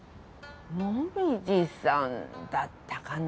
紅葉さんだったかな？